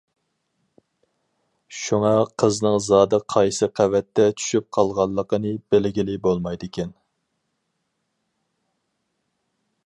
شۇڭا قىزنىڭ زادى قايسى قەۋەتتە چۈشۈپ قالغانلىقىنى بىلگىلى بولمايدىكەن.